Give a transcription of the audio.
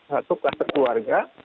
satu kluster keluarga